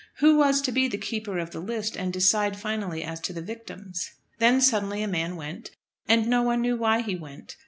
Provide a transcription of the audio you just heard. Who was to be the keeper of the list and decide finally as to the victims? Then suddenly a man went, and no one knew why he went.